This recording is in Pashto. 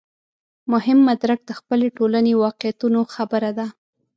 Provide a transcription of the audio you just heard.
مهم مدرک د خپلې ټولنې واقعیتونو خبره ده.